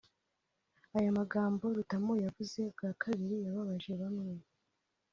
Aya magambo Rutamu yavuze bwa kabiri yababaje bamwe